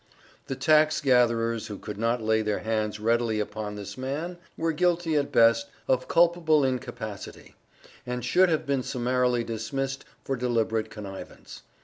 The tax gatherers who could not lay their hands readily upon this man were guilty, at best, of culpable in capacity ; and should have been summarily dismissed for deliberate connivance.